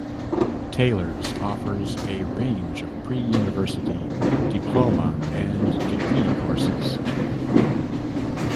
Taylor's offers a range of pre-university, diploma and degree courses.